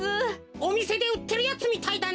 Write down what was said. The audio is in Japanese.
おみせでうってるやつみたいだな。